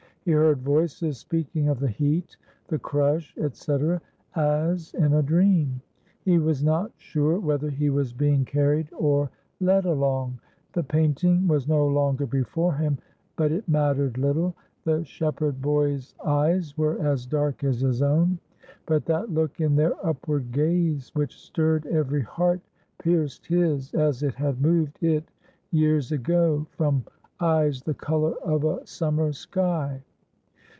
He heard voices speaking of the heat, the crush, etc., as in a dream. He was not sure whether he was being carried or led along. The painting was no longer before him, but it mattered little. The shepherd boy's eyes were as dark as his own; but that look in their upward gaze, which stirred every heart, pierced his as it had moved it years ago from eyes the color of a summer sky.